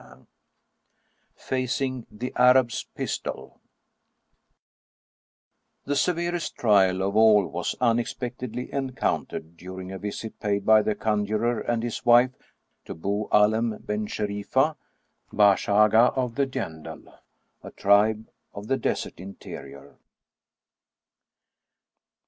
IV FACING THE ARAB'S PISTOL The severest trial of all was unexpectedly encountered during a visit paid by the conjurer and his wife to Bou Allem ben Sherifa, Bash Aga of the Djendel, a tribe of the desert interior.